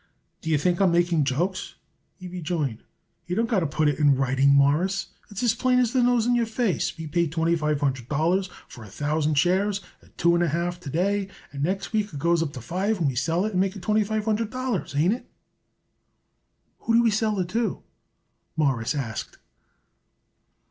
"Do you think I am making jokes?" he rejoined. "He don't got to put it in writing, Mawruss. It's as plain as the nose on your face. We pay twenty five hundred dollars for a thousand shares at two and a half to day, and next week it goes up to five and we sell it and make it twenty five hundred dollars. Ain't it?" "Who do we sell it to?" Morris asked.